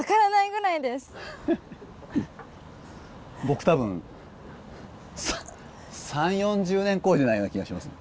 僕多分３０４０年こいでないような気がします。